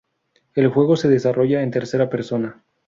El juego se desarrolla en tercera persona.